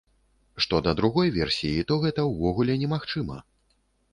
Што да другой версіі, то гэта ўвогуле немагчыма!